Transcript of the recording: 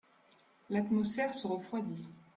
L’atmosphère se refroidit.